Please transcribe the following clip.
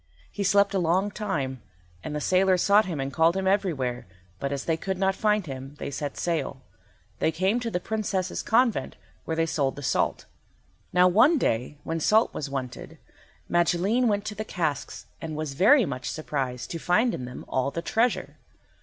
He slept a long time, and the sailors sought him and called him everywhere, but as they could not find him they set sail. They came to the Princess's convent, and there they sold the salt. Now one day when salt was wanted Magilene went to the casks and was very much surprised to find in them all the treasure.